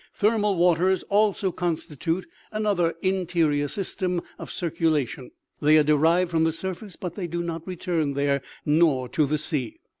Ther mal waters also constitute another interior system of circu lation ; they are derived from the surface, but they do not return there, nor to the sea.